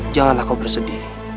janganlah kau bersedih